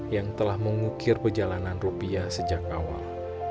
yang telah mengukir perjalanan rupiah sejak awal